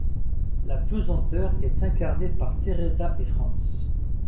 La pesanteur est incarnée par Tereza et Franz.